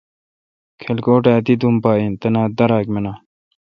کلکوٹ اے دی دوم پا این۔ تنا تہ داراک مناں۔